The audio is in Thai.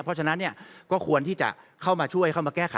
เพราะฉะนั้นก็ควรที่จะเข้ามาช่วยเข้ามาแก้ไข